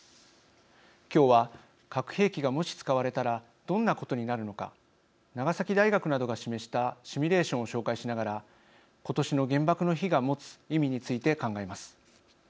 今日は、核兵器がもし使われたらどんなことになるのか長崎大学などが示したシミュレーションを紹介しながら今年の原爆の日が持つ意味について考えます。